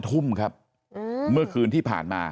ทุ่มครับเมื่อคืนที่ผ่านมา